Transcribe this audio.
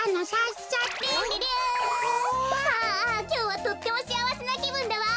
きょうはとってもしあわせなきぶんだわ。